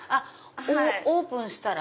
オープンしたら。